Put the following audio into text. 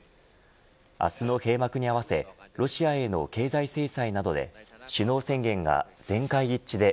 明日の閉幕に合わせロシアへの経済制裁などで首脳宣言が全会一致で